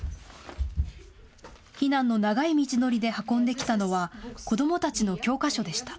避難の長い道のりで運んできたのは子どもたちの教科書でした。